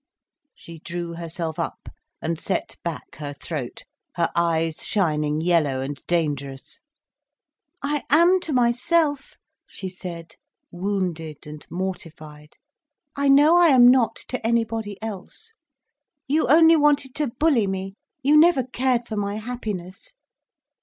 She drew herself up and set back her throat, her eyes shining yellow and dangerous. "I am to myself," she said, wounded and mortified. "I know I am not to anybody else. You only wanted to bully me—you never cared for my happiness."